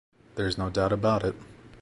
There's no doubt about it.